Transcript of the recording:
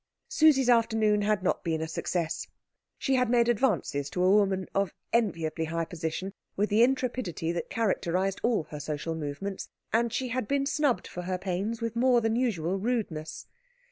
Susie's afternoon had not been a success. She had made advances to a woman of enviably high position with the intrepidity that characterised all her social movements, and she had been snubbed for her pains with more than usual rudeness.